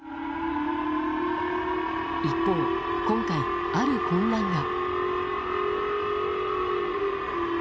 一方、今回ある混乱が。